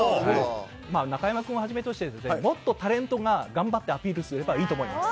中山君をはじめとして、もっとタレントが頑張ってアピールすればいいと思います。